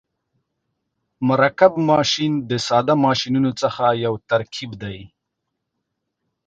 مرکب ماشین د ساده ماشینونو څخه یو ترکیب دی.